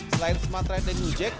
selain smartride dan nujek